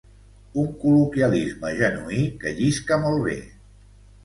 Un col·loquialisme genuí que llisca molt bé.